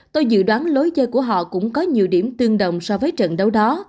tôi dự đoán lối chơi của họ cũng có nhiều điểm tương đồng so với trận đấu đó